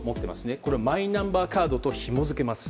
これをマイナンバーカードとひも付けます。